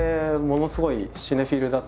ものすごい